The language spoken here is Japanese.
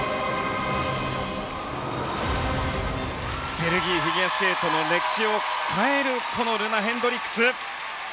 ベルギーフィギュアスケートの歴史を変えるこのルナ・ヘンドリックス。